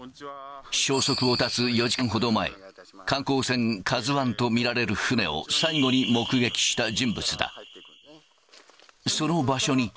消息を絶つ４時間ほど前、観光船カズワンと見られる船を最後に目撃した人物だ。